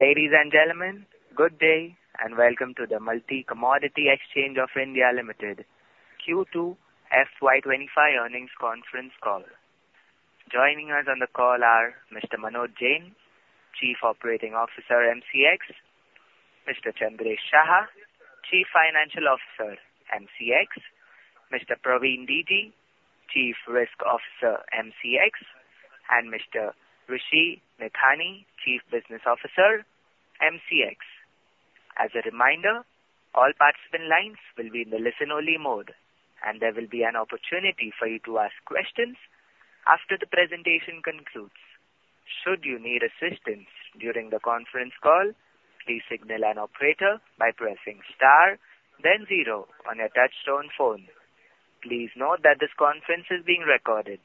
Ladies and gentlemen, good day, and welcome to the Multi Commodity Exchange of India Limited Q2FY25 Earnings Conference Call. Joining us on the call are Mr. Manoj Jain, Chief Operating Officer, MCX; Mr. Chandresh Shah, Chief Financial Officer, MCX; Mr. Praveen D.G., Chief Risk Officer, MCX; and Mr. Rishi Nathany, Chief Business Officer, MCX. As a reminder, all participant lines will be in the listen-only mode, and there will be an opportunity for you to ask questions after the presentation concludes. Should you need assistance during the conference call, please signal an operator by pressing star then zero on your touchtone phone. Please note that this conference is being recorded.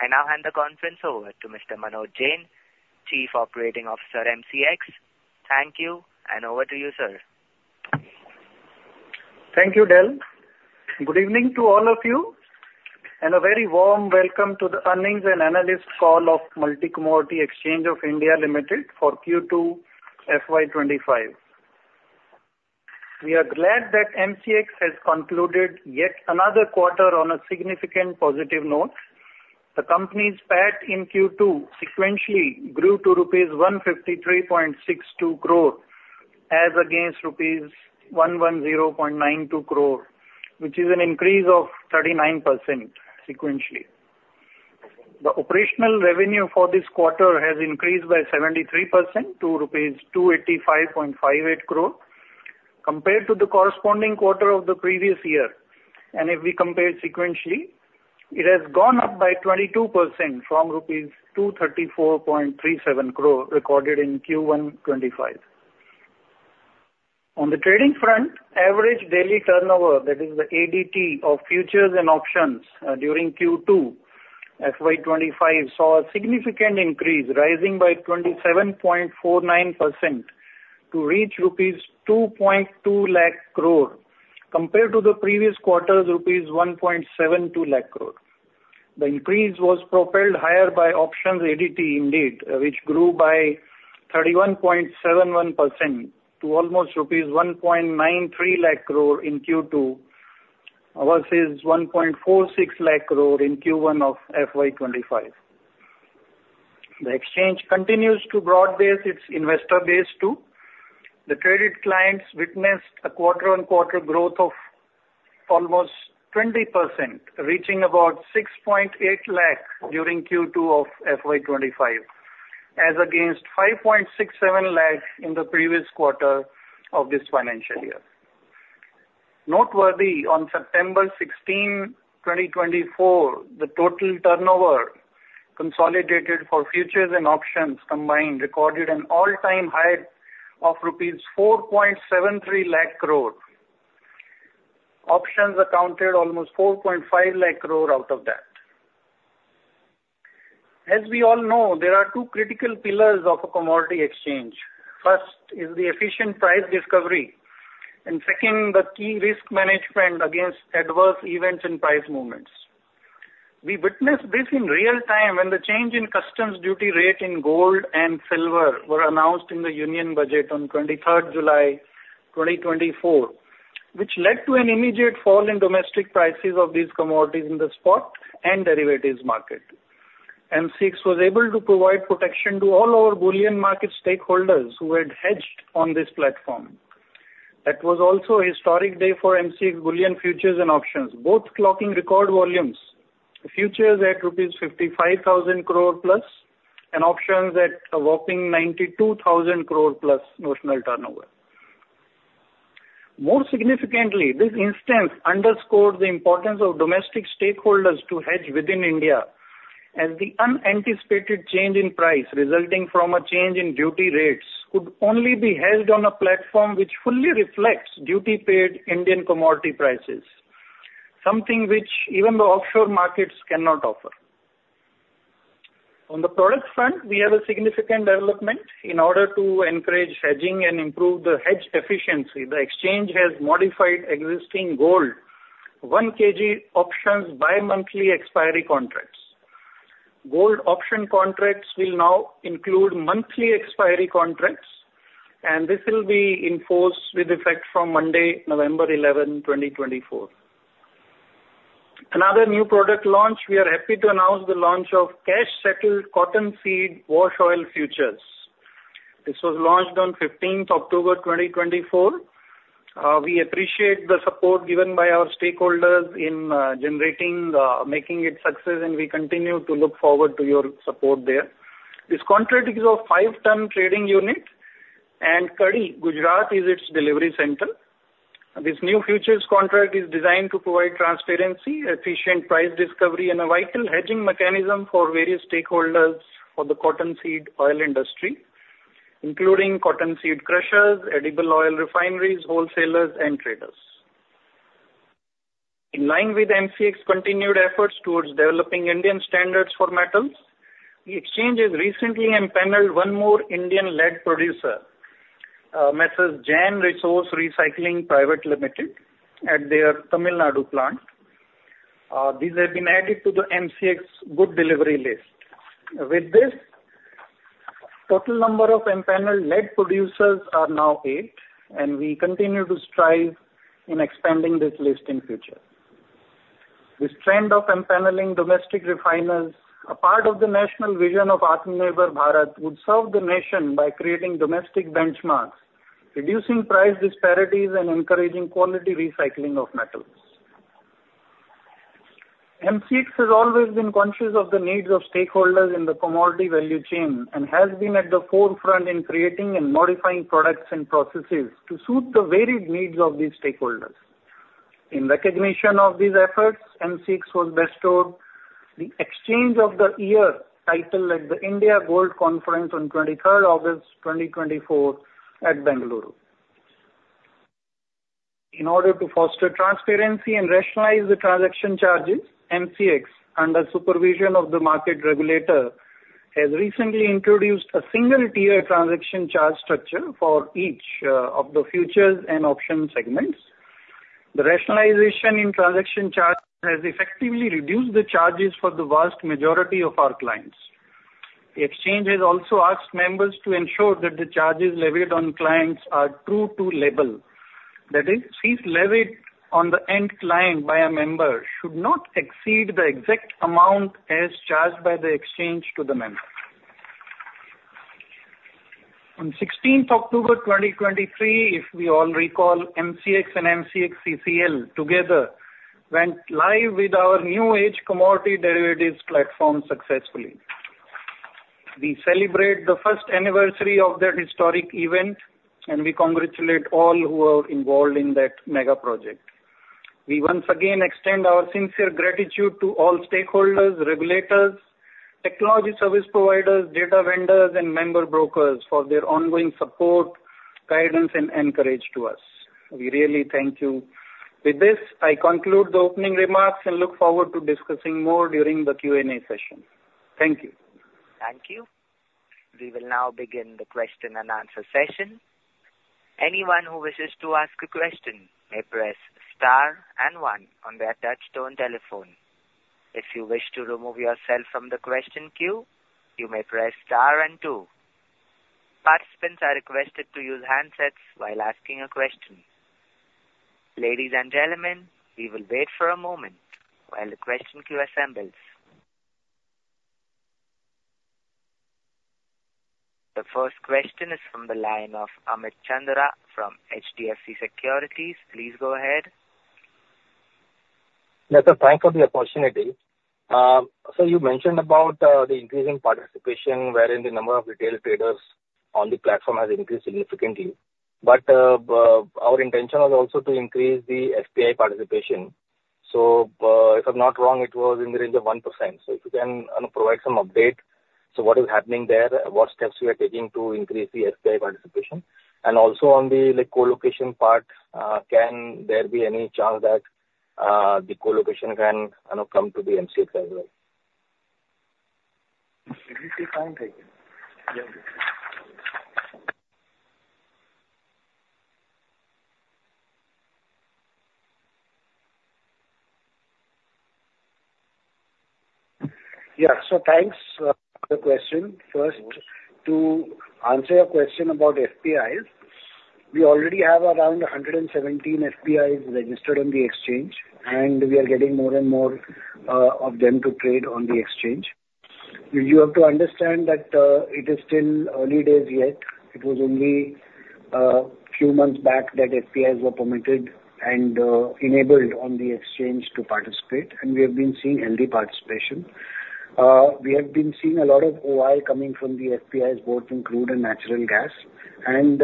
I now hand the conference over to Mr. Manoj Jain, Chief Operating Officer, MCX. Thank you, and over to you, sir. Thank you, Del. Good evening to all of you, and a very warm welcome to the earnings and analyst call of Multi Commodity Exchange of India Limited for Q2 FY 2025. We are glad that MCX has concluded yet another quarter on a significant positive note. The company's PAT in Q2 sequentially grew to rupees 153.62 crore, as against rupees 110.92 crore, which is an increase of 39% sequentially. The operational revenue for this quarter has increased by 73% to rupees 285.58 crore compared to the corresponding quarter of the previous year, and if we compare it sequentially, it has gone up by 22% from rupees 234.37 crore recorded in Q1 2025. On the trading front, average daily turnover, that is the ADT of futures and options, during Q2 FY 2025, saw a significant increase, rising by 27.49% to reach rupees 2.2 lakh crore compared to the previous quarter's rupees 1.72 lakh crore. The increase was propelled higher by options ADT indeed, which grew by 31.71% to almost rupees 1.93 lakh crore in Q2, versus 1.46 lakh crore in Q1 of FY 2025. The exchange continues to broad base its investor base, too. The traded clients witnessed a quarter-on-quarter growth of almost 20%, reaching about 6.8 lakh during Q2 of FY 2025, as against 5.67 lakh in the previous quarter of this financial year. Noteworthy, on September 16, 2024, the total turnover consolidated for futures and options combined recorded an all-time high of rupees 4.73 lakh crore. Options accounted almost 4.5 lakh crore out of that. As we all know, there are two critical pillars of a commodity exchange. First is the efficient price discovery, and second, the key risk management against adverse events and price movements. We witnessed this in real time when the change in customs duty rate in gold and silver were announced in the Union budget on July 23, 2024, which led to an immediate fall in domestic prices of these commodities in the spot and derivatives market. MCX was able to provide protection to all our bullion market stakeholders who had hedged on this platform. That was also a historic day for MCX bullion futures and options, both clocking record volumes, futures at rupees 55,000 crore plus and options at a whopping 92,000 crore plus notional turnover. More significantly, this instance underscored the importance of domestic stakeholders to hedge within India, as the unanticipated change in price resulting from a change in duty rates could only be held on a platform which fully reflects duty-paid Indian commodity prices, something which even the offshore markets cannot offer. On the product front, we have a significant development. In order to encourage hedging and improve the hedge efficiency, the exchange has modified existing Gold 1 kg options bi-monthly expiry contracts. Gold option contracts will now include monthly expiry contracts, and this will be in force with effect from Monday, November 11, 2024. Another new product launch, we are happy to announce the launch of cash-settled cottonseed wash oil futures. This was launched on fifteenth October twenty twenty-four. We appreciate the support given by our stakeholders in generating making it success, and we continue to look forward to your support there. This contract is of five ton trading unit, and Kadi, Gujarat, is its delivery center. This new futures contract is designed to provide transparency, efficient price discovery, and a vital hedging mechanism for various stakeholders for the cottonseed oil industry, including cottonseed crushers, edible oil refineries, wholesalers, and traders. In line with MCX continued efforts towards developing Indian standards for metals, the exchange has recently empaneled one more Indian lead producer, Messrs Jain Resource Recycling Private Limited, at their Tamil Nadu plant. These have been added to the MCX good delivery list. With this, total number of empaneled lead producers are now eight, and we continue to strive in expanding this list in future. This trend of empaneling domestic refiners, a part of the national vision of Atmanirbhar Bharat, would serve the nation by creating domestic benchmarks, reducing price disparities, and encouraging quality recycling of metals. MCX has always been conscious of the needs of stakeholders in the commodity value chain, and has been at the forefront in creating and modifying products and processes to suit the varied needs of these stakeholders. In recognition of these efforts, MCX was bestowed the Exchange of the Year title at the India Gold Conference on twenty-third August, twenty twenty-four at Bengaluru. In order to foster transparency and rationalize the transaction charges, MCX, under supervision of the market regulator, has recently introduced a single-tier transaction charge structure for each of the futures and option segments. The rationalization in transaction charge has effectively reduced the charges for the vast majority of our clients. The exchange has also asked members to ensure that the charges levied on clients are true to label. That is, fees levied on the end client by a member should not exceed the exact amount as charged by the exchange to the member. On sixteenth October, twenty twenty-three, if we all recall, MCX and MCXCCL together went live with our new age commodity derivatives platform successfully. We celebrate the first anniversary of that historic event, and we congratulate all who were involved in that mega project. We once again extend our sincere gratitude to all stakeholders, regulators, technology service providers, data vendors, and member brokers for their ongoing support, guidance, and courage to us. We really thank you. With this, I conclude the opening remarks and look forward to discussing more during the Q&A session. Thank you. Thank you. We will now begin the question and answer session. Anyone who wishes to ask a question may press star and one on their touchtone telephone. If you wish to remove yourself from the question queue, you may press star and two. Participants are requested to use handsets while asking a question. Ladies and gentlemen, we will wait for a moment while the question queue assembles. The first question is from the line of Amit Chandra from HDFC Securities. Please go ahead. Yes, sir. Thanks for the opportunity. So you mentioned about the increasing participation wherein the number of retail traders on the platform has increased significantly, but our intention was also to increase the FPI participation. So if I'm not wrong, it was in the range of 1%. So if you can provide some update, so what is happening there? What steps you are taking to increase the FPI participation? And also on the, like, co-location part, can there be any chance that the co-location can, you know, come to the MCX as well? Did you say fine, thank you? Yeah. Yeah, so thanks for the question. First, to answer your question about FPIs, we already have around 117 FPIs registered on the exchange, and we are getting more and more of them to trade on the exchange. You have to understand that it is still early days yet. It was only few months back that FPIs were permitted and enabled on the exchange to participate, and we have been seeing healthy participation. We have been seeing a lot of OI coming from the FPIs, both in crude and natural gas. And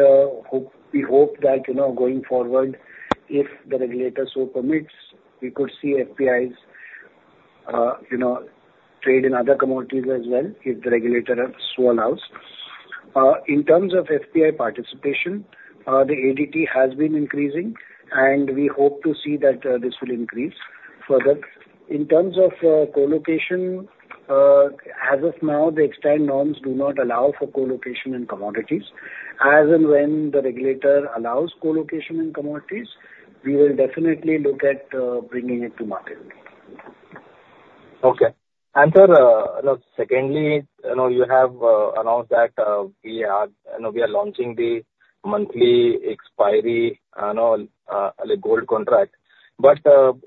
we hope that, you know, going forward, if the regulator so permits, we could see FPIs, you know, trade in other commodities as well, if the regulator so allows. In terms of FPI participation, the ADT has been increasing, and we hope to see that this will increase further. In terms of co-location, as of now, the exchange norms do not allow for co-location in commodities. As and when the regulator allows co-location in commodities, we will definitely look at bringing it to market. Okay. And sir, now secondly, you know, you have announced that we are, you know, we are launching the monthly expiry, you know, the gold contract. But,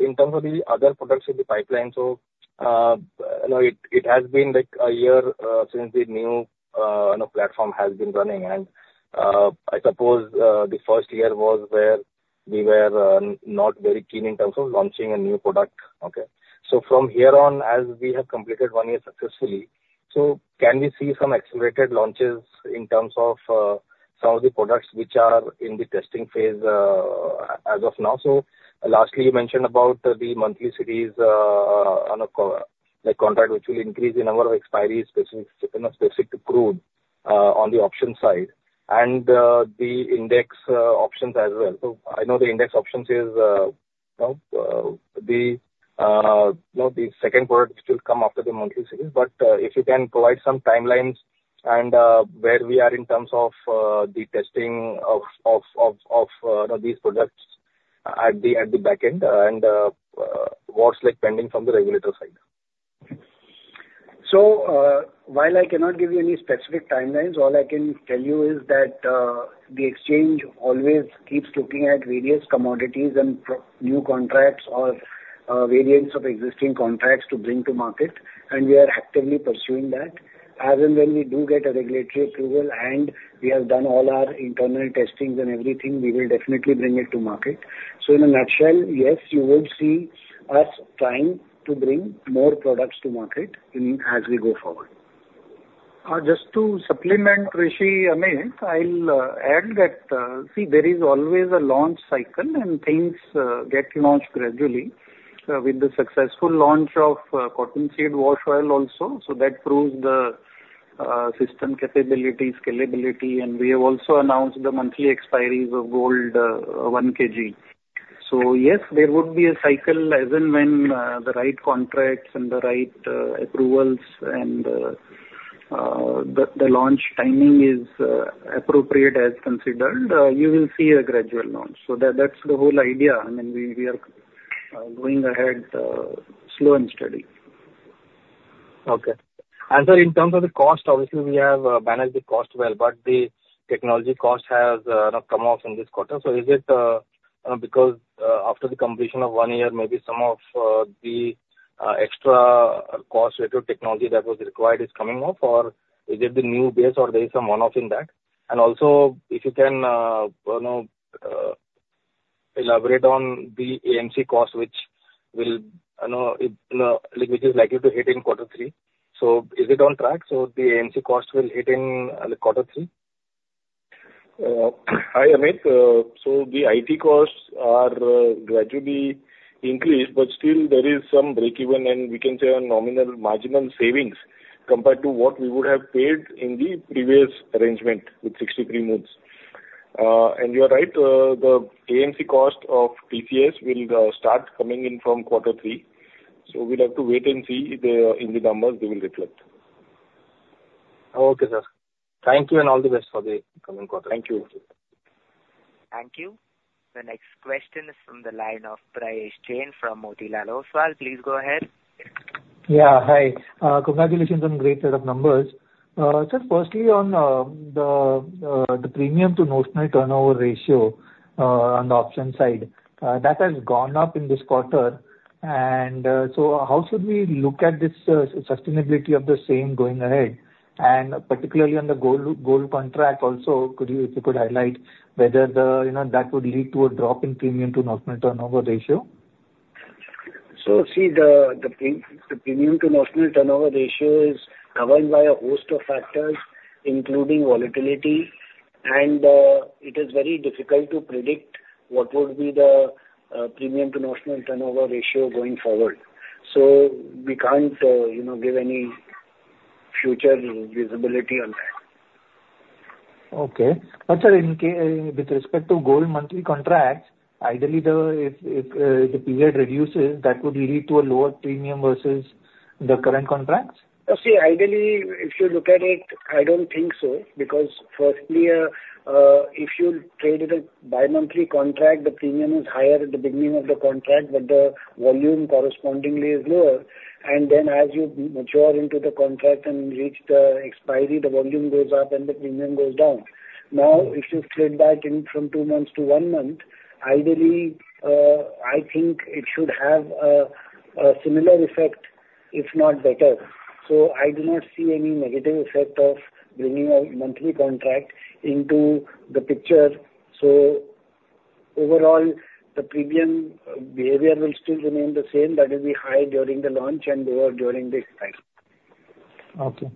in terms of the other products in the pipeline, so, you know, it has been, like, a year, since the new, you know, platform has been running. And, I suppose, the first year was where we were, not very keen in terms of launching a new product. Okay. So from here on, as we have completed one year successfully, so can we see some accelerated launches in terms of, some of the products which are in the testing phase, as of now? So lastly, you mentioned about the monthly series on the contract, which will increase the number of expiries, specific, you know, specific to crude on the option side, and the index options as well. I know the index options is, you know, the second product which will come after the monthly series, but if you can provide some timelines? And where we are in terms of the testing of these products at the back end, and what's like pending from the regulator side? So, while I cannot give you any specific timelines, all I can tell you is that, the exchange always keeps looking at various commodities and new contracts or, variants of existing contracts to bring to market, and we are actively pursuing that. As and when we do get a regulatory approval, and we have done all our internal testings and everything, we will definitely bring it to market. So in a nutshell, yes, you would see us trying to bring more products to market in as we go forward. Just to supplement Rishi, Amit, I'll add that, see, there is always a launch cycle, and things get launched gradually, with the successful launch of cottonseed wash oil also, so that proves the system capability, scalability, and we have also announced the monthly expiries of gold one kg. Yes, there would be a cycle as and when the right contracts and the right approvals and the launch timing is appropriate as considered, you will see a gradual launch. That, that's the whole idea. I mean, we are going ahead slow and steady. Okay. And sir, in terms of the cost, obviously we have managed the cost well, but the technology cost has not come off in this quarter. So is it because after the completion of one year, maybe some of the extra cost related technology that was required is coming off? Or is it the new base, or there is some one-off in that? And also, if you can you know elaborate on the AMC cost, which will you know it you know which is likely to hit in quarter three. So is it on track, so the AMC cost will hit in quarter three? Hi, Amit. So the IT costs are gradually increased, but still there is some breakeven, and we can say on nominal, marginal savings compared to what we would have paid in the previous arrangement with 63 Moons. And you are right, the AMC cost of TCS will start coming in from quarter three. So we'll have to wait and see if they, in the numbers they will reflect. Okay, sir. Thank you, and all the best for the coming quarter. Thank you. Thank you. The next question is from the line of Prayesh Jain from Motilal Oswal. Please go ahead. Yeah, hi. Congratulations on great set of numbers. Just firstly on the premium to notional turnover ratio on the option side, that has gone up in this quarter. So how should we look at this sustainability of the same going ahead? And particularly on the gold contract also, if you could highlight whether, you know, that would lead to a drop in premium to notional turnover ratio? So see, the Premium to Notional Turnover Ratio is covered by a host of factors, including volatility, and it is very difficult to predict what would be the Premium to Notional Turnover Ratio going forward. So we can't, you know, give any future visibility on that. Okay. But sir, with respect to gold monthly contracts, ideally, if the period reduces, that would lead to a lower premium versus the current contracts? See, ideally, if you look at it, I don't think so. Because firstly, if you traded a bi-monthly contract, the premium is higher at the beginning of the contract, but the volume correspondingly is lower. And then as you mature into the contract and reach the expiry, the volume goes up and the premium goes down. Now, if you flip back in from two months to one month, ideally, I think it should have a similar effect, if not better. So I do not see any negative effect of bringing a monthly contract into the picture. So overall, the premium behavior will still remain the same. That will be high during the launch and lower during the expiry. Okay.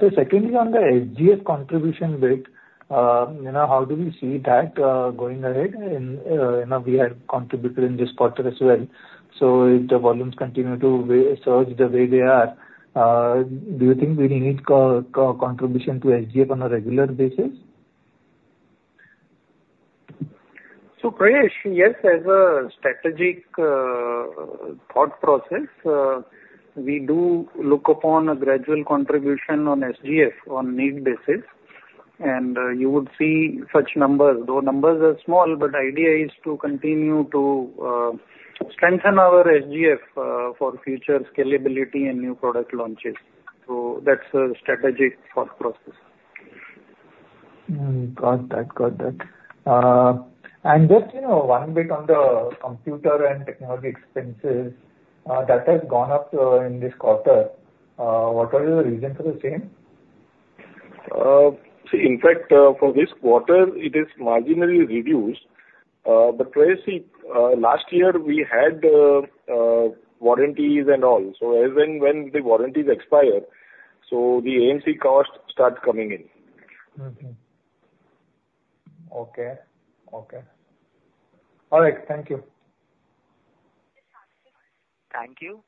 So secondly, on the SGF contribution bit, you know, how do we see that going ahead? And, you know, we had contributed in this quarter as well. So if the volumes continue to surge the way they are, do you think we need contribution to SGF on a regular basis? So, Prayesh, yes, as a strategic, thought process, we do look upon a gradual contribution on SGF on need basis. And, you would see such numbers, though numbers are small, but idea is to continue to, strengthen our SGF, for future scalability and new product launches. So that's a strategic thought process. Got that, got that. And just, you know, one bit on the computer and technology expenses that has gone up in this quarter. What are the reasons for the same? So in fact, for this quarter, it is marginally reduced. But Prayesh, last year we had warranties and all. So as and when the warranties expire, so the AMC cost starts coming in. Mm-hmm. Okay. Okay. All right. Thank you. Thank you.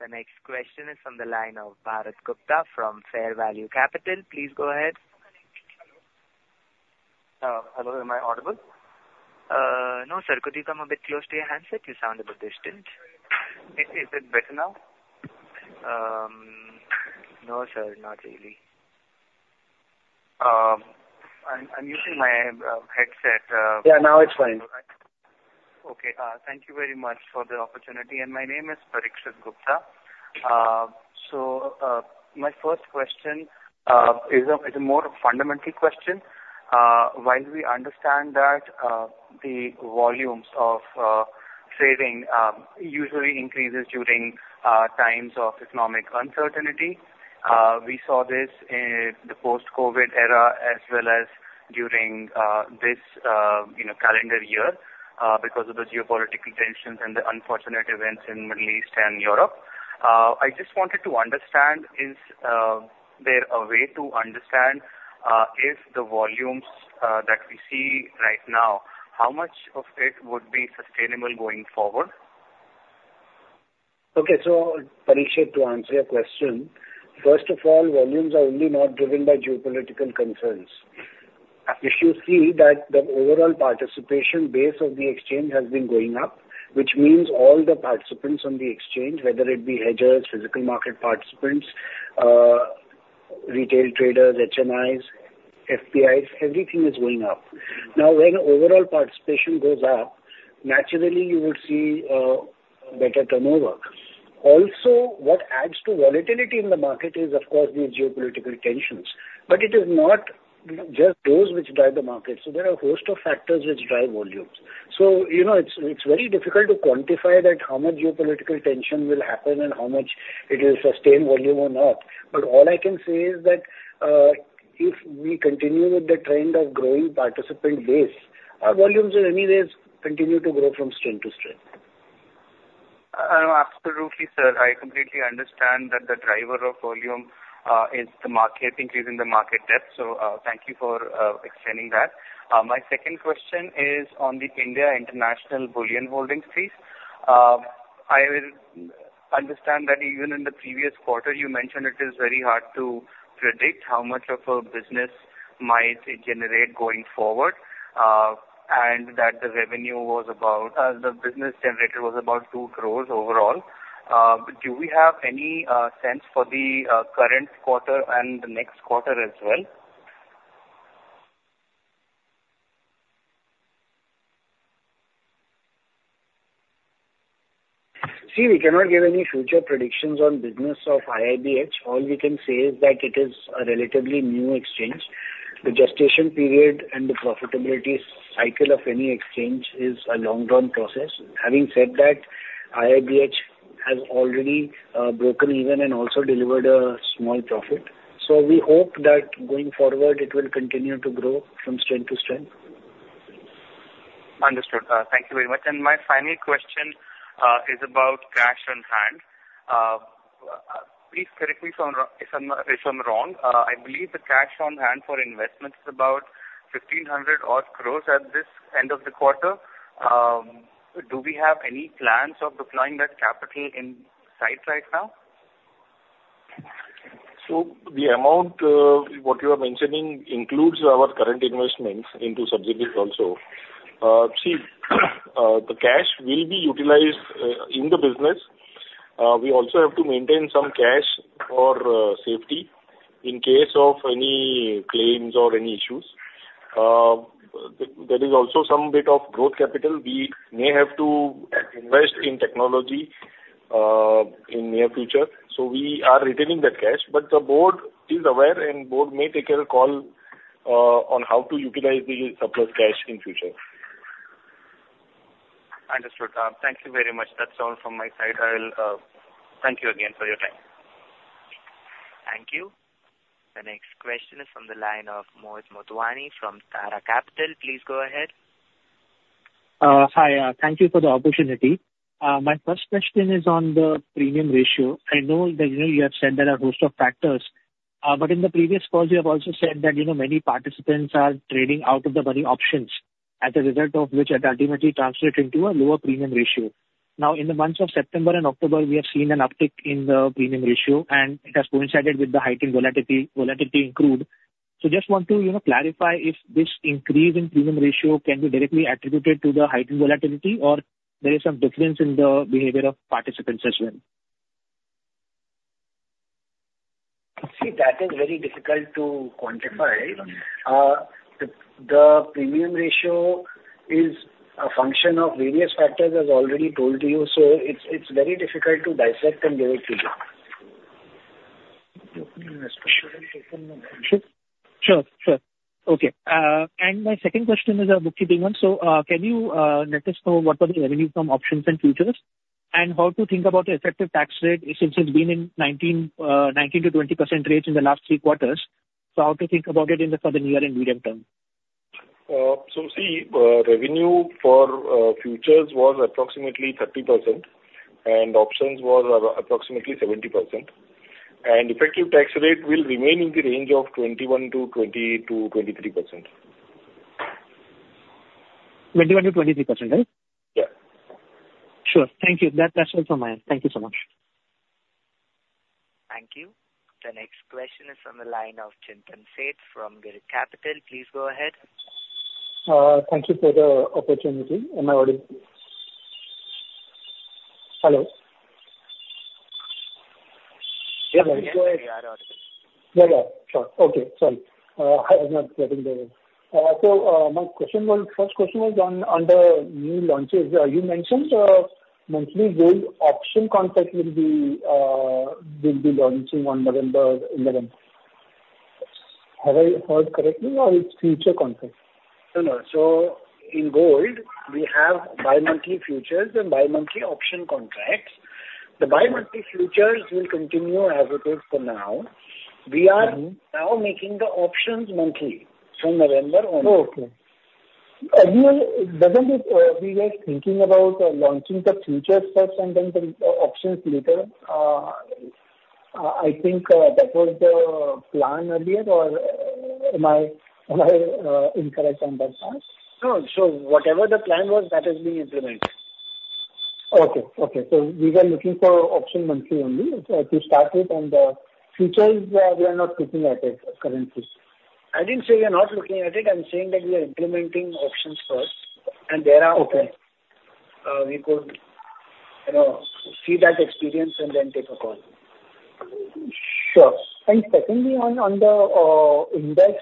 The next question is from the line of Parikshit Gupta from Fair Value Capital. Please go ahead.... Hello, am I audible? No, sir. Could you come a bit close to your handset? You sound a bit distant. Is it better now? No, sir, not really. I'm using my headset. Yeah, now it's fine. Okay, thank you very much for the opportunity, and my name is Parikshit Gupta. So, my first question is a more fundamental question. While we understand that the volumes of trading usually increases during times of economic uncertainty, we saw this in the post-COVID era, as well as during this, you know, calendar year, because of the geopolitical tensions and the unfortunate events in Middle East and Europe. I just wanted to understand, is there a way to understand if the volumes that we see right now, how much of it would be sustainable going forward? Okay, so Parikshit, to answer your question, first of all, volumes are only not driven by geopolitical concerns. If you see that the overall participation base of the exchange has been going up, which means all the participants on the exchange, whether it be hedgers, physical market participants, retail traders, HNIs, FIIs, everything is going up. Now, when overall participation goes up, naturally you would see better turnover. Also, what adds to volatility in the market is, of course, the geopolitical tensions, but it is not just those which drive the market. So there are a host of factors which drive volumes. So, you know, it's very difficult to quantify that how much geopolitical tension will happen and how much it will sustain volume or not. But all I can say is that, if we continue with the trend of growing participant base, our volumes will anyways continue to grow from strength to strength. Absolutely, sir. I completely understand that the driver of volume is the market increase in the market depth, so, thank you for explaining that. My second question is on the India International Bullion Holdings please. I will understand that even in the previous quarter, you mentioned it is very hard to predict how much of a business might it generate going forward, and that the revenue was about, the business generator was about two crores overall. Do we have any sense for the current quarter and the next quarter as well? See, we cannot give any future predictions on business of IIBH. All we can say is that it is a relatively new exchange. The gestation period and the profitability cycle of any exchange is a long-term process. Having said that, IIBH has already, broken even and also delivered a small profit. So we hope that going forward, it will continue to grow from strength to strength. Understood. Thank you very much. My final question is about cash on hand. Please correct me if I'm wrong. I believe the cash on hand for investment is about 1,500 crore at the end of this quarter. Do we have any plans of deploying that capital in sight right now? So the amount what you are mentioning includes our current investments into SGF also. See, the cash will be utilized in the business. We also have to maintain some cash for safety in case of any claims or any issues. There is also some bit of growth capital. We may have to invest in technology in near future. So we are retaining that cash, but the board is aware, and board may take a call on how to utilize the surplus cash in future. Understood. Thank you very much. That's all from my side. I will... Thank you again for your time. Thank you. The next question is from the line of Mohit Motwani from Tara Capital. Please go ahead. Hi, thank you for the opportunity. My first question is on the premium ratio. I know that, you know, you have said there are a host of factors, but in the previous calls, you have also said that, you know, many participants are trading out of the money options, as a result of which it ultimately translate into a lower premium ratio. Now, in the months of September and October, we have seen an uptick in the premium ratio, and it has coincided with the heightened volatility in crude. So just want to, you know, clarify if this increase in premium ratio can be directly attributed to the heightened volatility, or there is some difference in the behavior of participants as well? See, that is very difficult to quantify. The premium ratio is a function of various factors, as I already told to you, so it's very difficult to dissect and give it to you. Sure. Sure. Okay, and my second question is a bookkeeping one. So, can you let us know what was the revenue from options and futures? And how to think about the effective tax rate, since it's been in nineteen to twenty percent rates in the last three quarters, so how to think about it in the, for the near and medium term? So see, revenue for futures was approximately 30%, and options was approximately 70%, and effective tax rate will remain in the range of 21-23%. 21%-23%, right? Yeah. Sure. Thank you. That, that's all from my end. Thank you so much. ... Next question is from the line of Chintan Sheth from Girik Capital. Please go ahead. Thank you for the opportunity, am I audible? Hello? Yes, we are audible. Yeah, yeah. Sure. Okay, sorry. I was not getting the... So, my question was, first question was on the new launches. You mentioned, monthly gold option contract will be launching on November eleventh. Have I heard correctly, or it's futures contract? No, no, so in gold, we have bi-monthly futures and bi-monthly option contracts. The bi-monthly futures will continue as it is for now. Mm-hmm. We are now making the options monthly from November onwards. Okay. We were thinking about launching the futures first and then the options later? I think that was the plan earlier, or am I incorrect on that part? No. So whatever the plan was, that is being implemented. Okay, okay, so we were looking for option monthly only, to start with, and, futures, we are not looking at it currently. I didn't say we are not looking at it. I'm saying that we are implementing options first, and there are- Okay. We could, you know, see that experience and then take a call. Sure. And secondly, on index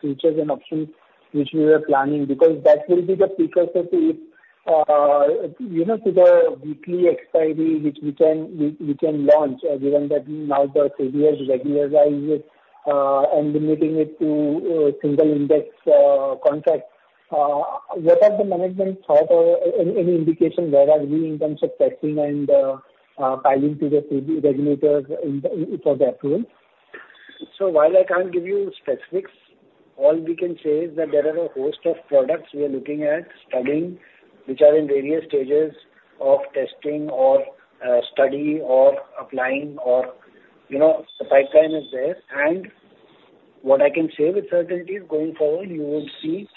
futures and options, which we were planning, because that will be the precursor to it, you know, to the weekly expiry, which we can launch, given that now the SEBI has regularized it, and limiting it to single index contract. What are the management's thought or any indication where are we in terms of testing and filing to the SEBI regulators for the approval? So while I can't give you specifics, all we can say is that there are a host of products we are looking at studying, which are in various stages of testing or, study or applying or, you know, the pipeline is there. And what I can say with certainty is, going forward, you will see,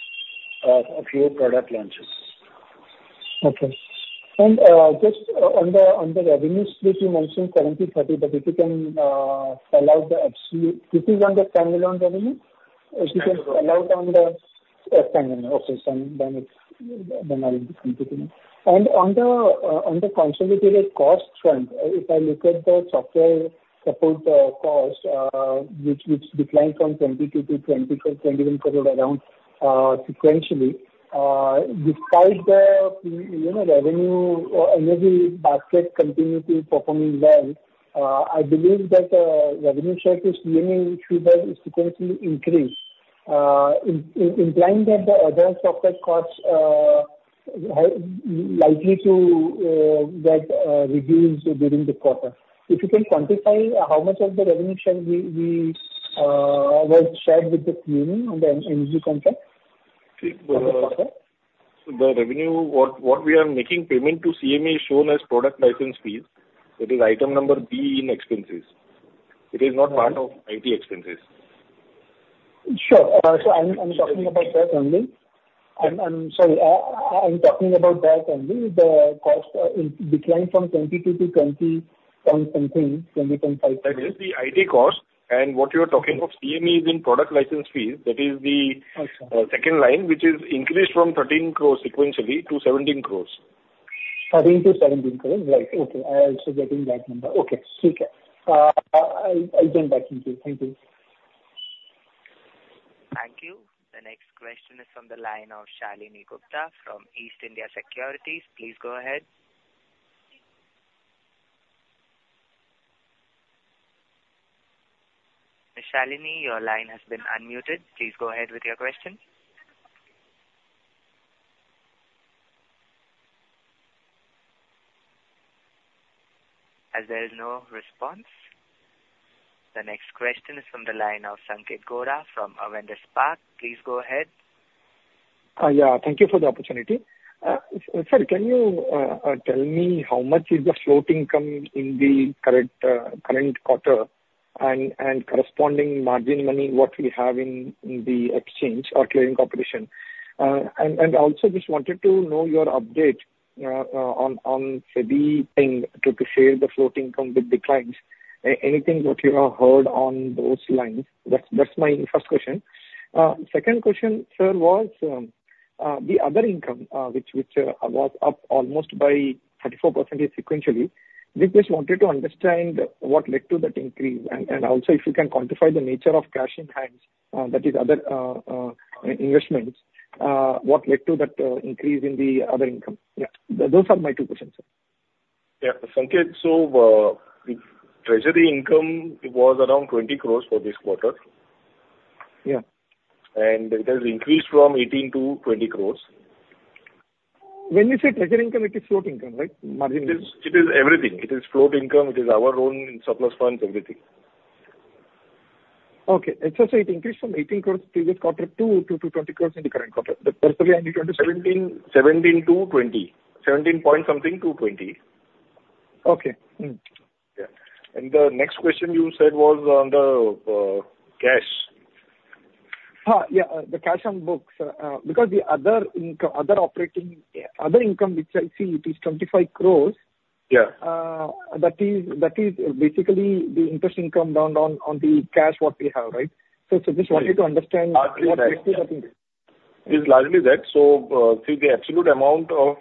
a few product launches. Okay. And just on the revenue split, you mentioned currently 30, but if you can allow the absolute - this is on the standalone revenue? If you can allow it on the- Yes, standalone. Okay. Standalone, then, then I'll be comfortable. And on the consolidated cost front, if I look at the software support cost, which declined from 22 crore to 24 crore, 21 crore around, sequentially, despite the, you know, revenue energy basket continuing to performing well, I believe that revenue share to CME should have sequentially increased, implying that the other software costs highly likely to get reduced during the quarter. If you can quantify how much of the revenue share we were shared with the CME on the energy contract this quarter? The revenue we are making payment to CME is shown as product license fees. It is item number B in expenses. It is not part of IT expenses. Sure, so I'm talking about that only. Sorry, I'm talking about that only. The cost, it declined from twenty-two to twenty point something, twenty point five. That is the IT cost. And what you're talking of, CME is in product license fees. That is the- I see. second line, which is increased from 13 crores sequentially to 17 crores. 13 to 17 crore? Right. Okay. I was also getting that number. Okay, thank you. I'll come back to you. Thank you. Thank you. The next question is from the line of Shalini Gupta from East India Securities. Please go ahead. Shalini, your line has been unmuted. Please go ahead with your question. As there is no response, the next question is from the line of Sanketh Godha from Avendus Spark. Please go ahead. Yeah, thank you for the opportunity. Sir, can you tell me how much is the float income in the current quarter, and corresponding margin money, what we have in the exchange or clearing corporation? And also just wanted to know your update on SEBI thing to share the floating income with clients. Anything what you have heard on those lines? That's my first question. Second question, sir, was the other income, which was up almost by 34% sequentially. We just wanted to understand what led to that increase, and also if you can quantify the nature of cash in hands, that is other investments, what led to that increase in the other income? Yeah, those are my two questions, sir. Yeah, Sanket, so, the treasury income was around 20 crore for this quarter. Yeah. It has increased from 18 to 20 crores. When you say treasury income, it is float income, right? Margin income. It is, it is everything. It is float income, it is our own surplus funds, everything. Okay. It increased from 18 crores previous quarter to 20 crores in the current quarter. The percentage I need to understand. Seventeen, seventeen to twenty. Seventeen point something to twenty. Okay. Mm. Yeah. And the next question you said was on the cash? Yeah, the cash on books, because the other income, other operating, other income, which I see it is 25 crore- Yeah. That is basically the interest income down on the cash what we have, right? So just wanted to understand- It's largely that. So, see, the absolute amount of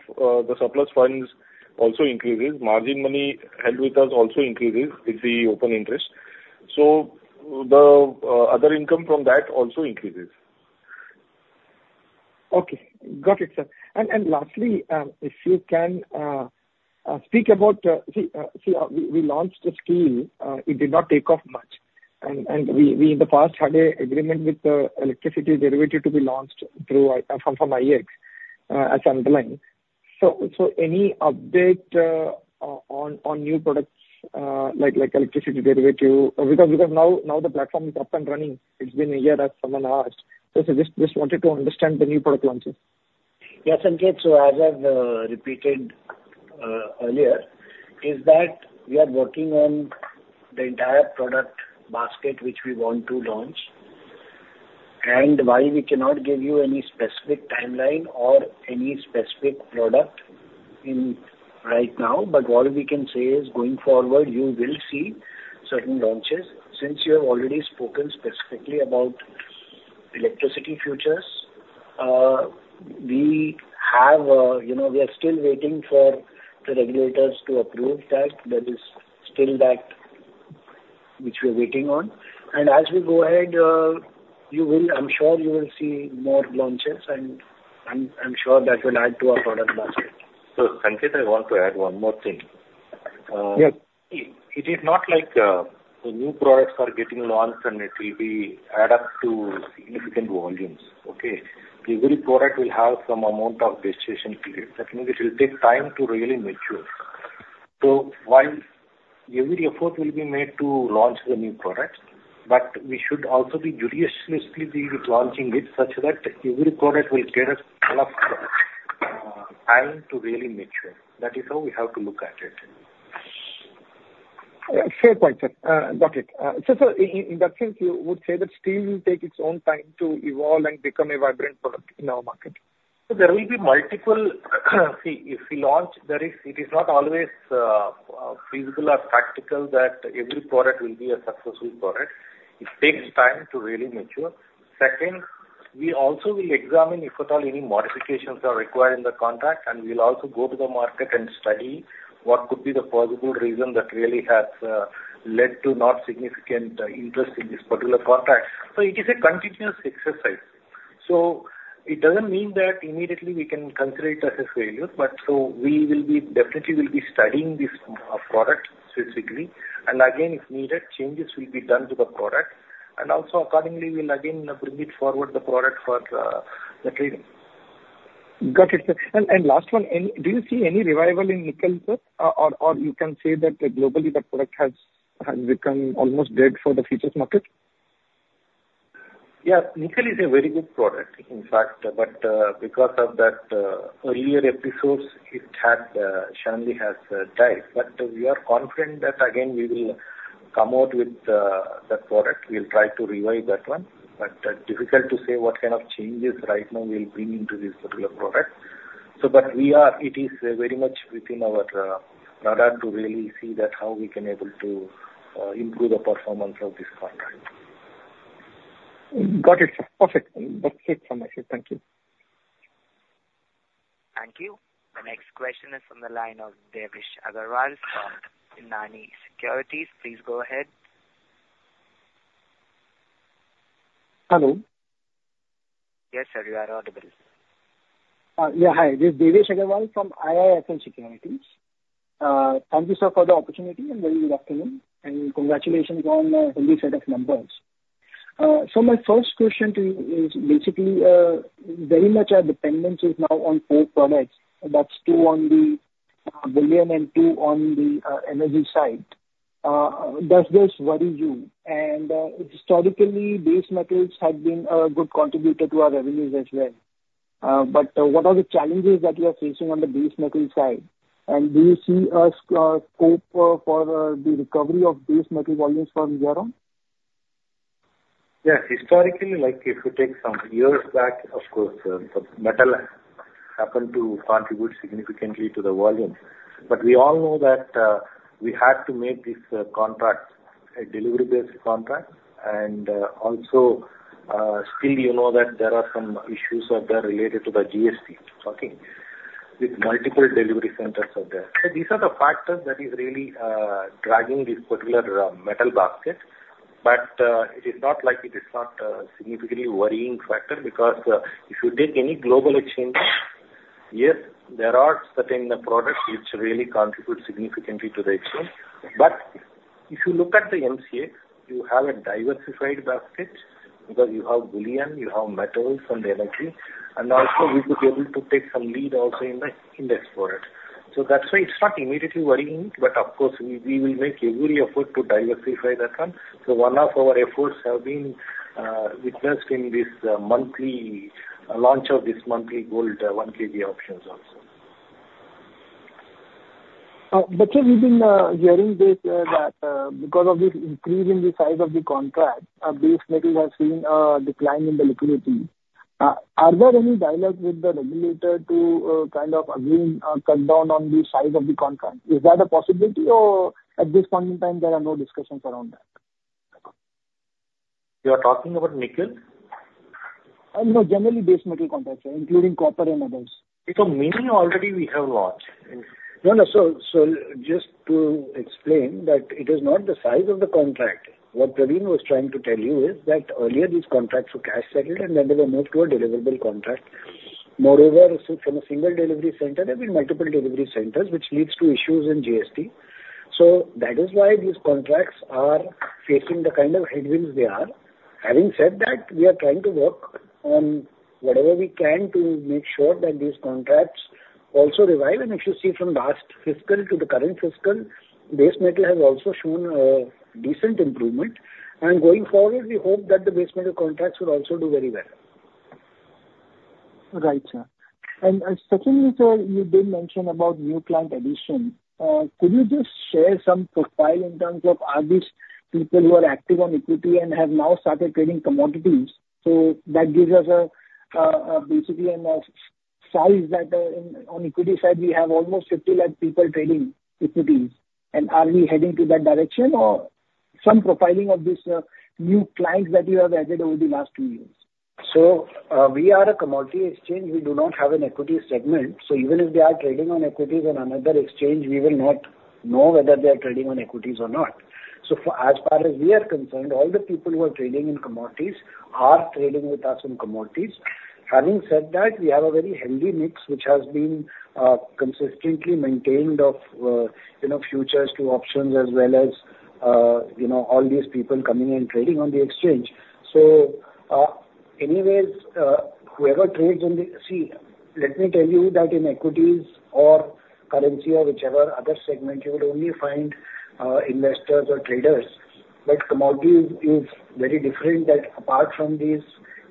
the surplus funds also increases. Margin money held with us also increases with the open interest, so the other income from that also increases. Okay. Got it, sir. And lastly, if you can speak about. See, we launched the scheme, it did not take off much. And we in the past had an agreement with the electricity derivative to be launched through IEX as underlying. So any update on new products like electricity derivative? Because now the platform is up and running, it's been a year from now. So just wanted to understand the new product launches. Yes, Sanketh, so as I've repeated earlier, is that we are working on the entire product basket, which we want to launch. While we cannot give you any specific timeline or any specific product right now, what we can say is, going forward, you will see certain launches. Since you have already spoken specifically about electricity futures, we have, you know, we are still waiting for the regulators to approve that. There is still that which we are waiting on. As we go ahead, you will see more launches, and I'm sure that will add to our product basket. So, Sanket, I want to add one more thing. Yeah. It is not like, the new products are getting launched and it will be add up to significant volumes, okay? Every product will have some amount of gestation period. That means it will take time to really mature. So while every effort will be made to launch the new products, but we should also be judiciously be launching it such that every product will get enough, time to really mature. That is how we have to look at it. Yeah, fair point, sir. Got it. So in that sense, you would say that steel will take its own time to evolve and become a vibrant product in our market? So there will be multiple. See, if we launch, there is, it is not always feasible or practical that every product will be a successful product. It takes time to really mature. Second, we also will examine, if at all, any modifications are required in the contract, and we'll also go to the market and study what could be the possible reason that really has led to not significant interest in this particular contract. So it is a continuous exercise. So it doesn't mean that immediately we can consider it as a failure, but so we will be, definitely will be studying this product specifically. And again, if needed, changes will be done to the product, and also accordingly, we'll again bring it forward the product for the trading. Got it, sir. And last one, do you see any revival in nickel, sir? Or you can say that globally the product has become almost dead for the futures market? Yeah, Nickel is a very good product, in fact, but because of that earlier episodes, it certainly has died, but we are confident that again we will come out with that product. We'll try to revive that one, but difficult to say what kind of changes right now we'll bring into this particular product, so but we are. It is very much within our radar to really see that how we can able to improve the performance of this contract. Got it, sir. Perfect. That's it from my side. Thank you. Thank you. The next question is from the line of Devesh Agarwal from IIFL Securities. Please go ahead. Hello? Yes, sir, you are audible. Yeah, hi, this is Devesh Agarwal from IIFL Securities. Thank you, sir, for the opportunity and very good afternoon, and congratulations on, healthy set of numbers. So my first question to you is basically, very much our dependence is now on four products. That's two on the, bullion and two on the, energy side. Does this worry you? And, historically, base metals have been a good contributor to our revenues as well. But what are the challenges that you are facing on the base metal side? And do you see a scope for, the recovery of base metal volumes from here on? Yes, historically, like if you take some years back, of course, metal happened to contribute significantly to the volume. But we all know that, we had to make this, contract a delivery-based contract. And, also, still you know that there are some issues out there related to the GST taxation, with multiple delivery centers out there. So these are the factors that is really, dragging this particular, metal basket. But, it is not like it is not, significantly worrying factor, because, if you take any global exchanges, yes, there are certain products which really contribute significantly to the exchange. But if you look at the MCX, you have a diversified basket, because you have bullion, you have metals and energy, and also we could be able to take some lead also in the index product. So that's why it's not immediately worrying, but of course, we will make every effort to diversify that one. So one of our efforts have been witnessed in this monthly launch of this monthly gold 1 kg options also.... But sir, we've been hearing this, that because of the increase in the size of the contract, base metal has seen a decline in the liquidity. Are there any dialogues with the regulator to kind of agree cut down on the size of the contract? Is that a possibility, or at this point in time, there are no discussions around that? You are talking about nickel? No, generally base metal contracts, sir, including copper and others. Many already we have launched. No, no. Just to explain that it is not the size of the contract. What Praveen was trying to tell you is that earlier these contracts were cash settled, and then they were moved to a deliverable contract. Moreover, from a single delivery center, there have been multiple delivery centers, which leads to issues in GST. That is why these contracts are facing the kind of headwinds they are. Having said that, we are trying to work on whatever we can to make sure that these contracts also revive. If you see from last fiscal to the current fiscal, base metal has also shown a decent improvement. Going forward, we hope that the base metal contracts will also do very well. Right, sir. And secondly, sir, you did mention about new client addition. Could you just share some profile in terms of, are these people who are active on equity and have now started trading commodities? So that gives us basically a size that on equity side, we have almost fifty lakh people trading equities. And are we heading to that direction or some profiling of these new clients that you have added over the last two years? So, we are a commodity exchange. We do not have an equity segment, so even if they are trading on equities on another exchange, we will not know whether they are trading on equities or not. So for as far as we are concerned, all the people who are trading in commodities are trading with us in commodities. Having said that, we have a very healthy mix, which has been consistently maintained of you know, futures to options as well as you know, all these people coming in trading on the exchange. So, anyways, see, let me tell you that in equities or currency or whichever other segment, you would only find investors or traders. But commodities is very different that apart from these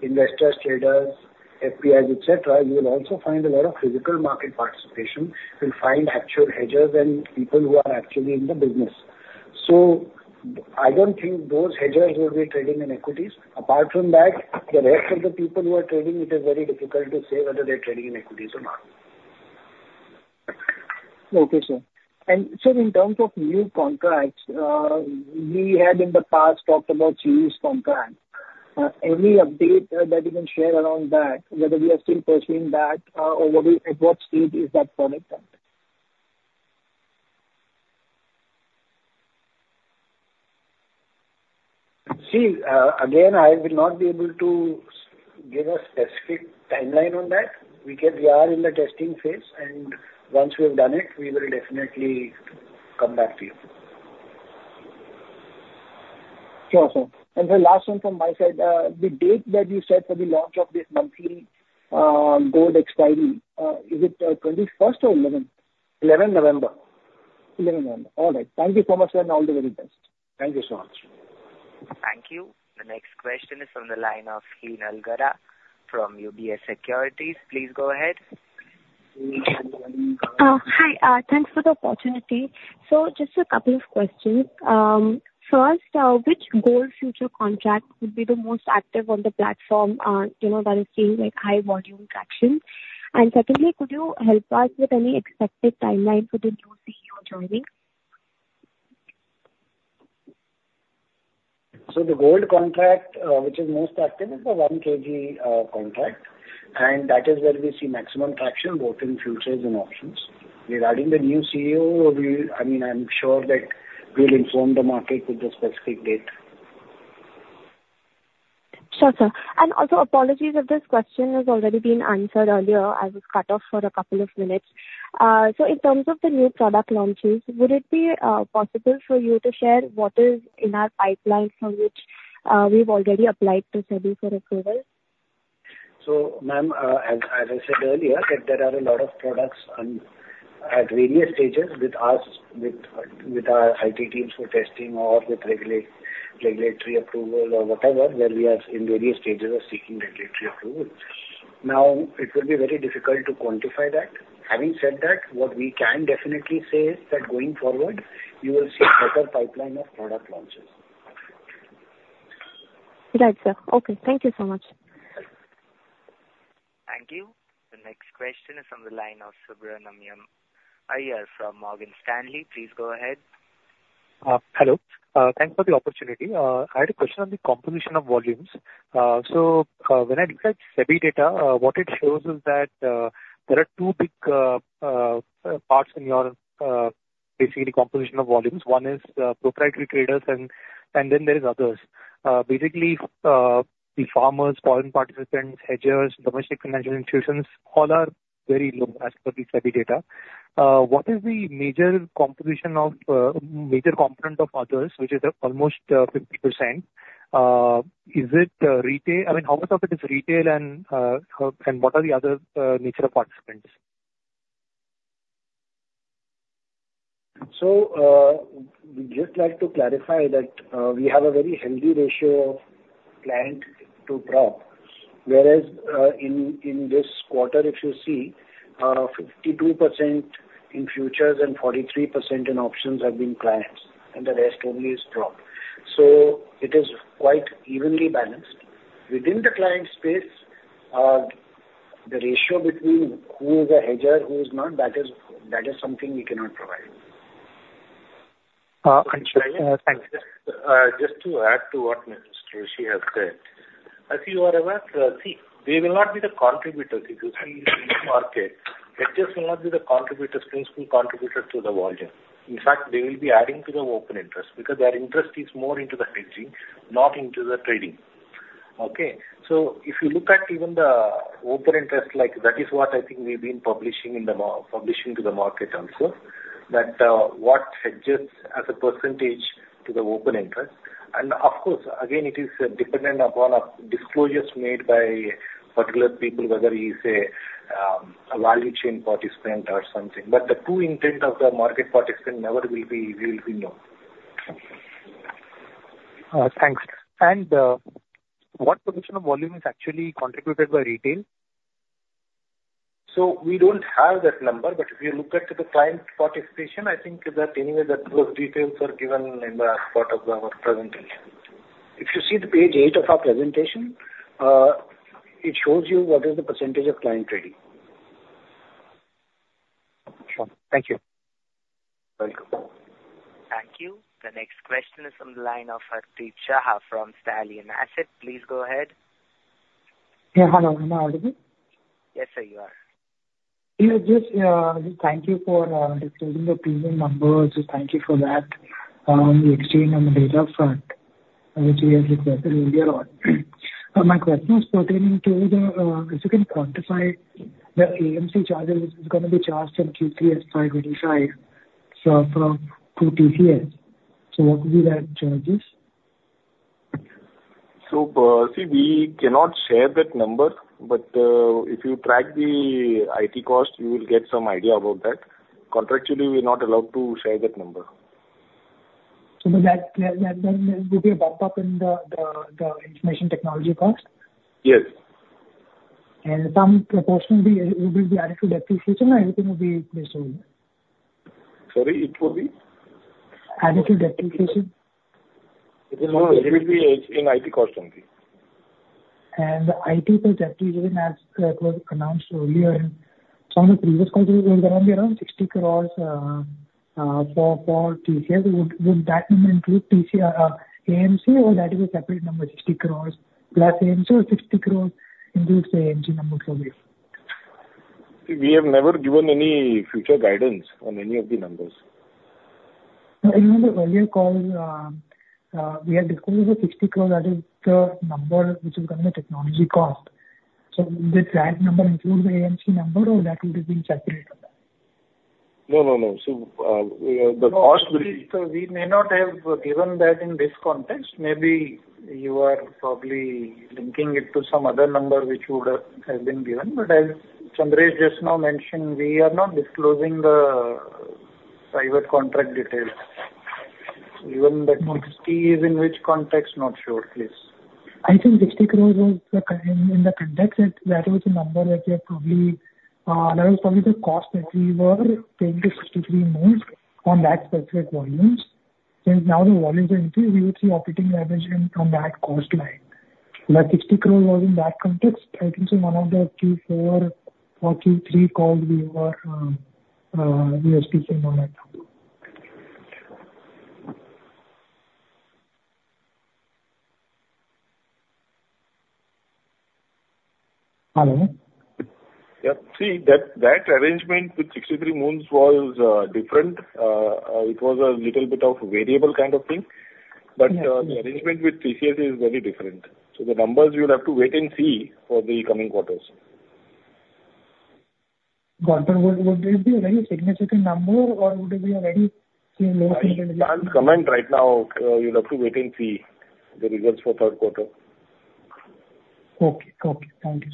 investors, traders, FPIs, et cetera, you will also find a lot of physical market participation. You'll find actual hedgers and people who are actually in the business. So I don't think those hedgers will be trading in equities. Apart from that, the rest of the people who are trading, it is very difficult to say whether they're trading in equities or not. Okay, sir. And sir, in terms of new contracts, we had in the past talked about cheese contracts. Any update that you can share around that, whether we are still pursuing that, or what we-- at what stage is that product at? See, again, I will not be able to give a specific timeline on that. We are in the testing phase, and once we have done it, we will definitely come back to you. Sure, sir. And the last one from my side. The date that you set for the launch of the monthly gold expiry, is it twenty-first or eleventh? Eleven November. Eleven November. All right. Thank you so much, sir, and all the very best. Thank you so much. Thank you. The next question is from the line of Heena Algara from UBS Securities. Please go ahead. Hi. Thanks for the opportunity. So just a couple of questions. First, which gold future contract would be the most active on the platform, you know, that is seeing like high volume traction? And secondly, could you help us with any expected timeline for the new CEO joining? So the gold contract, which is most active, is the one kg contract, and that is where we see maximum traction, both in futures and options. Regarding the new CEO, I mean, I'm sure that we'll inform the market with the specific date. Sure, sir. And also, apologies if this question has already been answered earlier. I was cut off for a couple of minutes. So in terms of the new product launches, would it be possible for you to share what is in our pipeline from which we've already applied to SEBI for approval? So, ma'am, as I said earlier, that there are a lot of products on at various stages with us, with our IT teams for testing or with regulatory approval or whatever, where we are in various stages of seeking regulatory approval. Now, it will be very difficult to quantify that. Having said that, what we can definitely say is that going forward, you will see a better pipeline of product launches. Right, sir. Okay, thank you so much. Thank you. The next question is from the line of Subramanian Iyer from Morgan Stanley. Please go ahead. Hello. Thanks for the opportunity. I had a question on the composition of volumes. So, when I looked at SEBI data, what it shows is that there are two big parts in your basically composition of volumes. One is proprietary traders, and then there is others. Basically, the farmers, foreign participants, hedgers, domestic financial institutions, all are very low as per the SEBI data. What is the major composition of major component of others, which is almost 50%? Is it retail? I mean, how much of it is retail, and what are the other nature of participants? So, we'd just like to clarify that we have a very healthy ratio of client to prop, whereas in this quarter, if you see, 52% in futures and 43% in options have been clients, and the rest only is prop. So it is quite evenly balanced. Within the client space, the ratio between who is a hedger, who is not, that is something we cannot provide. I'm sure. Thank you. Just to add to what Mr. Rishi has said. As you are aware, they will not be the contributors. If you see in the market, hedgers will not be the contributors, principal contributors to the volume. In fact, they will be adding to the open interest, because their interest is more into the hedging, not into the trading. Okay? So if you look at even the open interest like that is what I think we've been publishing to the market also, that what hedgers as a percentage to the open interest. And of course, again, it is dependent upon disclosures made by particular people, whether you say a value chain participant or something. But the true intent of the market participant never will be known. Thanks. And, what proportion of volume is actually contributed by retail? We don't have that number, but if you look at the client participation, I think that anyway, that those details are given in the part of our presentation. If you see the page eight of our presentation, it shows you what is the percentage of client trading. Sure. Thank you. Welcome. Thank you. The next question is from the line of Arpit Shah from Stallion Asset. Please go ahead. Yeah. Hello, am I audible? Yes, sir, you are. Yeah, just thank you for disclosing the premium numbers. Thank you for that. Exchange on the data front, which we had requested earlier on. My question is pertaining to if you can quantify the AMC charges, which is gonna be charged in Q3 FY25, so through TCS. So what would be that charges? See, we cannot share that number, but, if you track the IT cost, you will get some idea about that. Contractually, we're not allowed to share that number. So that will be a bump up in the information technology cost? Yes. Some proportionally will be added to depreciation, or everything will be placed on? Sorry, it will be? Added to depreciation. It will only be in IT cost only. And the IT cost depreciation, as was announced earlier on the previous call, there will be around 6o crores for TCS. Would that number include TC, AMC, or that is a separate number, 60 crores plus AMC or 60 crores includes the AMC numbers over here? We have never given any future guidance on any of the numbers. In one of the earlier call, we had discussed the 60 crore, that is the number which is going to be technology cost. So would that number include the AMC number, or that would have been separate? No, no, no. So, the cost will be. We may not have given that in this context. Maybe you are probably linking it to some other number which would have been given. But as Chandresh just now mentioned, we are not disclosing the private contract details. Even the 60 is in which context, not sure, please. I think 60 crore was the, in the context, that was the number that you're probably, that was probably the cost that we were paying to 63 Moons on that specific volumes. Since now the volumes are increased, we would see operating leverage from that cost line. That 60 crore was in the context, I think so one of the Q4 or Q3 call, we were, we were speaking on that number. Hello? Yep. See, that arrangement with 63 Moons was different. It was a little bit of variable kind of thing. Yeah. But, the arrangement with TCS is very different. So the numbers you'll have to wait and see for the coming quarters. Quarter, would it be a significant number or would it be a very same low? I can't comment right now. You'll have to wait and see the results for third quarter. Okay. Okay. Thank you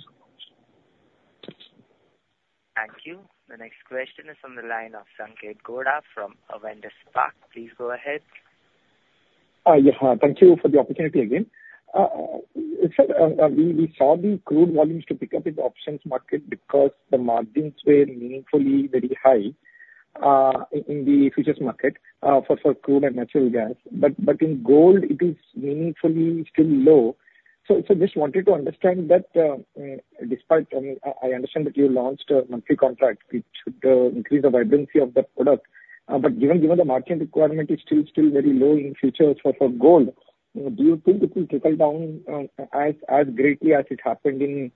so much. Thank you. The next question is from the line of Sanketh Godha from Avendus Spark. Please go ahead. Yeah, thank you for the opportunity again. Sir, we saw the crude volumes to pick up in the options market because the margins were meaningfully very high in the futures market for crude and natural gas. But in gold, it is meaningfully still low. So just wanted to understand that, despite, I understand that you launched a monthly contract which should increase the vibrancy of the product, but given the market requirement is still very low in futures for gold, do you think it will trickle down as greatly as it happened in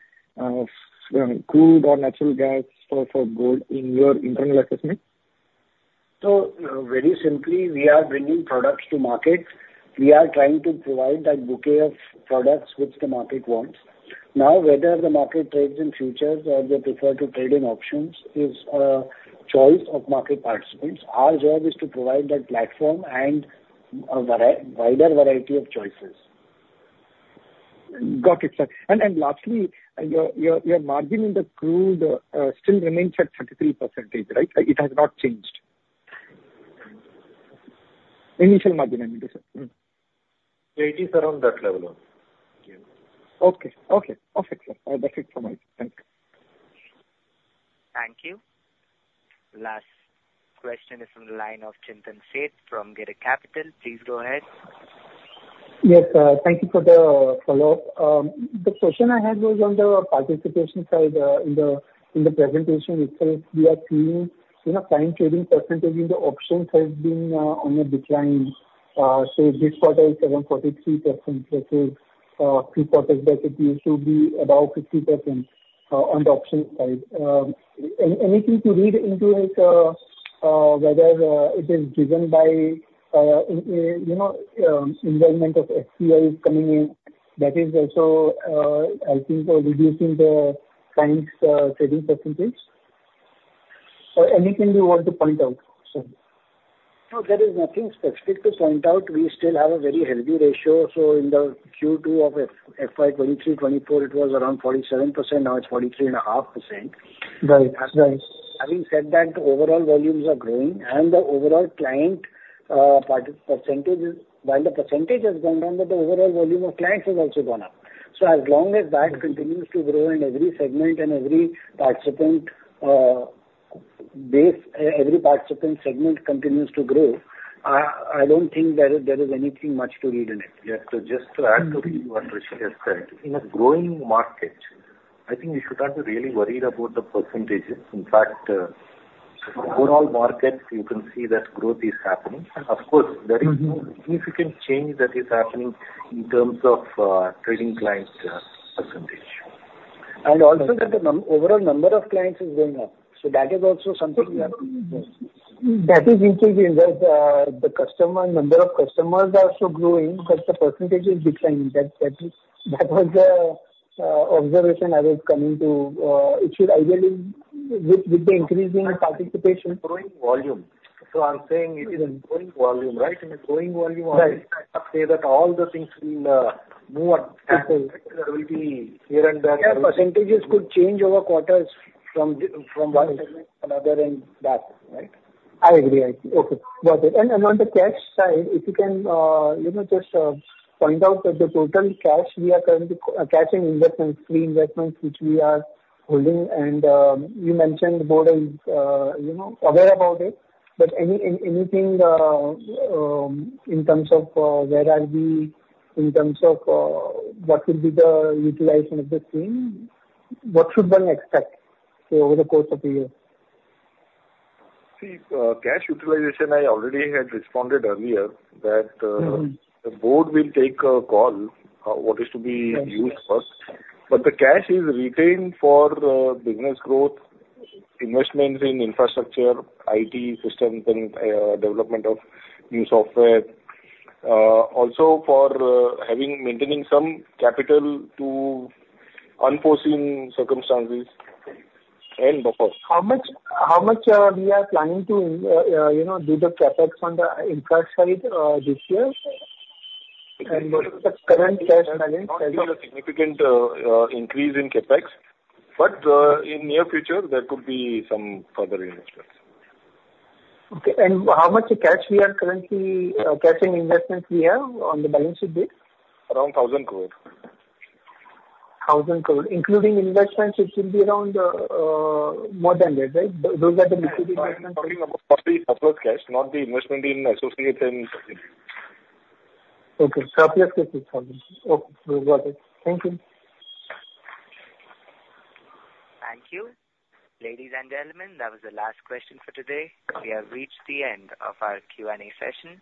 crude or natural gas for gold in your internal assessment? Very simply, we are bringing products to market. We are trying to provide that bouquet of products which the market wants. Now, whether the market trades in futures or they prefer to trade in options is choice of market participants. Our job is to provide that platform and a wider variety of choices. Got it, sir. And lastly, your margin in the crude still remains at 33%, right? It has not changed. Initial margin, I mean, sir. Mm-hmm. It is around that level. Okay. Okay, okay, sir. That's it from my end. Thank you. Thank you. Last question is from the line of Chintan Sheth from Girik Capital. Please go ahead. Yes, thank you for the follow-up. The question I had was on the participation side, in the presentation itself, we are seeing, you know, client trading percentage in the options has been on a decline. So this quarter is around 43%, let's say, pre-quarter that it used to be above 50%, on the option side. Anything to read into it, whether it is driven by, you know, involvement of FPI coming in? That is also, I think, reducing the clients trading percentage. So anything you want to point out, sir? No, there is nothing specific to point out. We still have a very healthy ratio. So in the Q2 of FY 2023-2024, it was around 47%, now it's 43.5%. Right. Right. Having said that, the overall volumes are growing and the overall client percentage is... While the percentage has gone down, but the overall volume of clients has also gone up. So as long as that continues to grow in every segment and every participant segment continues to grow, I don't think there is anything much to read in it. Yeah. So just to add to what Rishi has said, in a growing market, I think we should not be really worried about the percentages. In fact, overall markets, you can see that growth is happening. Of course- Mm-hmm. There is no significant change that is happening in terms of trading clients percentage. And also that the overall number of clients is going up, so that is also something we have to address. That is interesting, that the number of customers are also growing, but the percentage is declining. That is, that was the observation I was coming to. It should ideally, with the increasing participation- Growing volume. So I'm saying it is a growing volume, right? In a growing volume- Right. I say that all the things will move on. Absolutely. There will be here and there- Yeah, percentages could change over quarters from one segment to another and back, right? I agree. I agree. Okay, got it. And on the cash side, if you can, you know, just point out that the total cash we are currently cash and investments, free investments, which we are holding, and you mentioned board is, you know, aware about it. But anything in terms of where are we in terms of what will be the utilization of the same? What should one expect over the course of the year? See, cash utilization, I already had responded earlier that, Mm-hmm. The board will take a call on what is to be used first. Right. But the cash is retained for business growth, investments in infrastructure, IT systems, and development of new software. Also for having, maintaining some capital to unforeseen circumstances and buffers. How much we are planning to, you know, do the CapEx on the infra side this year? And what is the current cash balance? Not a significant increase in CapEx, but in near future there could be some further investments. Okay. And how much cash we are currently, cash and investments we have on the balance sheet date? Around 1,000 crores. Thousand crores. Including investments, it should be around, more than that, right? Those are the investments- Talking about the surplus cash, not the investment in associates and subsidiaries. Okay, surplus cash is thousand. Okay, got it. Thank you. Thank you. Ladies and gentlemen, that was the last question for today. We have reached the end of our Q&A session.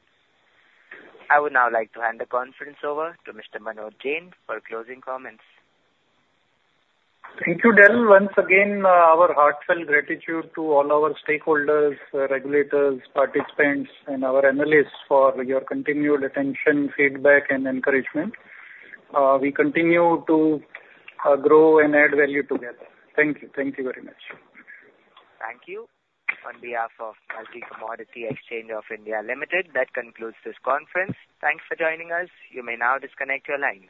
I would now like to hand the conference over to Mr. Manoj Jain for closing comments. Thank you, Daryl. Once again, our heartfelt gratitude to all our stakeholders, regulators, participants, and our analysts for your continued attention, feedback, and encouragement. We continue to grow and add value together. Thank you. Thank you very much. Thank you. On behalf of Multi Commodity Exchange of India Limited, that concludes this conference. Thanks for joining us. You may now disconnect your lines.